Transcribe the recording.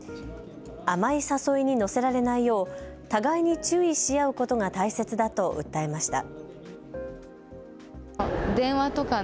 甘い誘いに乗せられないよう互いに注意し合うことが大切だと訴えました。